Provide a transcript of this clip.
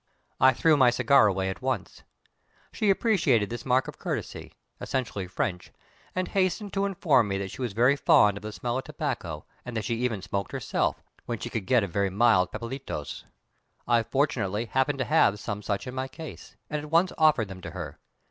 I threw my cigar away at once. She appreciated this mark of courtesy, essentially French, and hastened to inform me that she was very fond of the smell of tobacco, and that she even smoked herself, when she could get very mild papelitos. I fortunately happened to have some such in my case, and at once offered them to her.